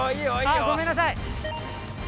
ごめんなさい。